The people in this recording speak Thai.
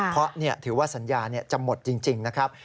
เพราะถือว่าสัญญาจะหมดจริงนะครับ